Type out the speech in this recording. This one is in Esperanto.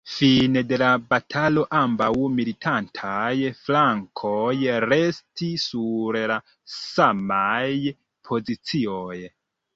Fine de la batalo ambaŭ militantaj flankoj restis sur la samaj pozicioj.